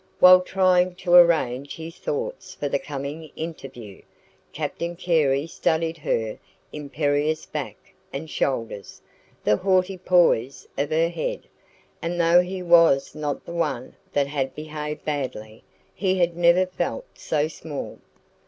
While trying to arrange his thoughts for the coming interview, Captain Carey studied her imperious back and shoulders, the haughty poise of her head; and though he was not the one that had behaved badly, he had never felt so small.